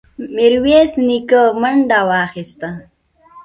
ميرويس نيکه منډه واخيسته.